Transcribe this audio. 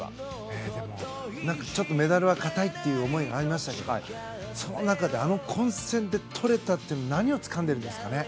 でも、ちょっとメダルは堅いって思いはありましたけどその中で、あの混戦でとれたというのは何をつかんでるんですかね？